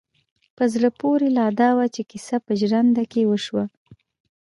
په زړه پورې لا دا وه چې کيسه په ژرنده کې وشوه.